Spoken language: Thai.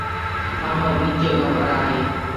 ทั้งหมดนี่เกี่ยวกับอะไร